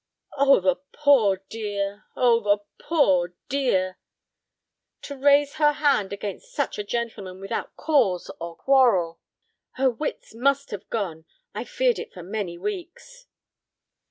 "Oh, the poor dear! oh, the poor dear! To raise her hand against such a gentleman without cause or quarrel! Her wits must have gone. I've feared it many weeks."